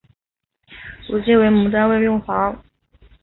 如今为某单位用房。